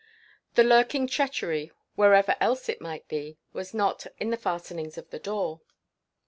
The lurking treachery wherever else it might be was not in the fastenings of the door.